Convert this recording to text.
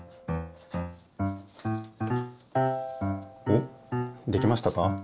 おっできましたか？